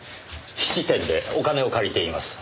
質店でお金を借りています。